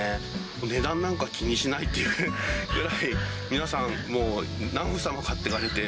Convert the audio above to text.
値段なんか気にしないっていうぐらい、皆さん、もう何房も買っていかれて。